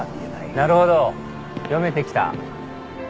なるほど読めてきた。